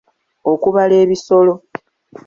Okubala ebisolo.